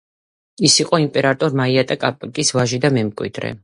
ის იყო იმპერატორ მაიტა კაპაკის ვაჟი და მემკვიდრე.